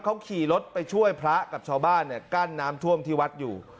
เขาขี่รถไปช่วยพระกับชาวบ้านกั้นน้ำท่วมที่วัดอยู่